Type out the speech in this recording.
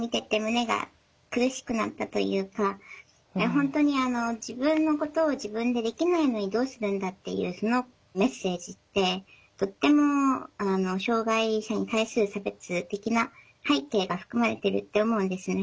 本当に自分のことを自分でできないのにどうするんだっていうそのメッセージってとっても障害者に対する差別的な背景が含まれてるって思うんですね。